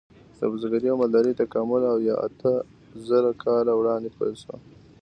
د بزګرۍ او مالدارۍ تکامل اوه یا اته زره کاله وړاندې پیل شو.